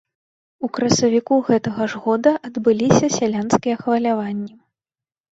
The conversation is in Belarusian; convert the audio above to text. У красавіку гэтага ж года адбыліся сялянскія хваляванні.